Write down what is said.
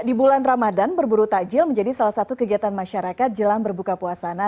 di bulan ramadan berburu takjil menjadi salah satu kegiatan masyarakat jelang berbuka puasana